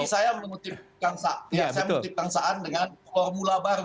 tadi saya menutip kang saan dengan formula baru